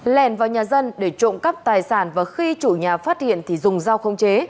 lèn vào nhà dân để trộm cắp tài sản và khi chủ nhà phát hiện thì dùng dao không chế